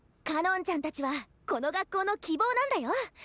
かのんちゃんたちはこの学校の希望なんだよ。